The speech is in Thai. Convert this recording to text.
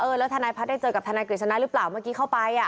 แล้วทนายพัฒน์ได้เจอกับทนายกฤษณะหรือเปล่าเมื่อกี้เข้าไป